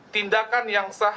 tindakan yang sah